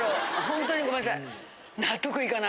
ほんとにごめんなさい。